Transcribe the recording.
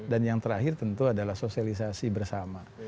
dan yang terakhir tentu adalah sosialisasi bersama